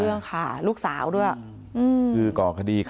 ไม่อยากให้ต้องมีการศูนย์เสียกับผมอีก